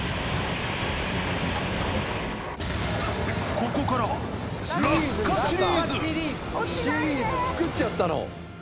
ここからはシリーズ作っちゃったの！？